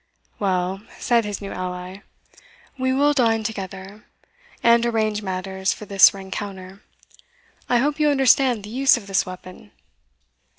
"Well," said his new ally, "we will dine together and arrange matters for this rencounter. I hope you understand the use of the weapon?"